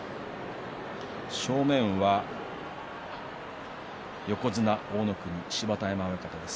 正面は横綱大乃国、芝田山親方です。